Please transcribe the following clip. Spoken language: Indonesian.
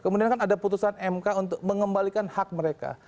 kemudian kan ada putusan mk untuk mengembalikan hak mereka